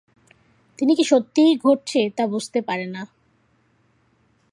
তিনি কি সত্যিই ঘটছে তা বুঝতে পারে না।